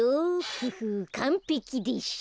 フフッかんぺきでしょ。